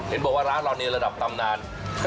เห็นบอกว่าร้านเราในระดับตำนาน